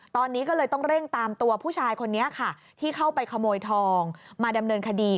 ตอนนี้ก็เลยต้องเร่งตามตัวผู้ชายคนนี้ค่ะที่เข้าไปขโมยทองมาดำเนินคดี